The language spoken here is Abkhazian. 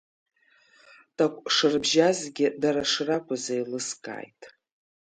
Такә шыбжьазгьы, дара шракәыз еилыскааит.